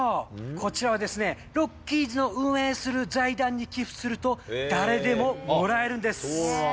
こちらはですね、ロッキーズの運営する財団に寄付すると、誰でももらえるんです。